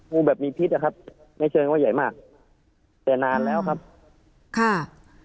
ูแบบมีพิษนะครับไม่เชิงว่าใหญ่มากแต่นานแล้วครับค่ะ